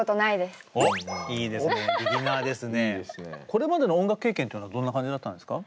これまでの音楽経験というのはどんな感じだったんですか？